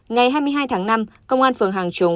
ngày hai mươi hai tháng năm công an phường hàng trúng